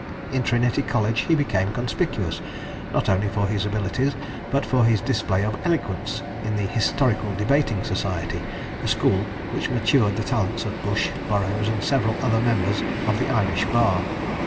In Trinity College he became conspicuous, not only for his abilities, but for his display of eloquence in the "Historical Debating Society," a school which matured the talents of Bushe, Burrows, and several other members of the Irish Bar.